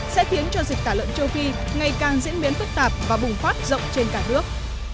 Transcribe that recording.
sẽ khiến cho dịch tả lợn châu phi ngày càng diễn biến phức tạp và bùng phát rộng trên cả nước